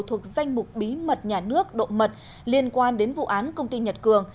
thuộc danh mục bí mật nhà nước độ mật liên quan đến vụ án công ty nhật cường